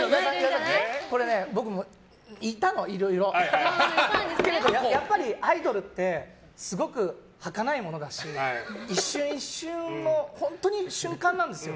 けれどもやっぱりアイドルってすごくはかないものだし一瞬一瞬の本当に瞬間なんですよ。